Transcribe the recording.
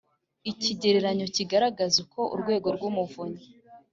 Ikigereranyo kigaragaza uko urwego rw umuvunyi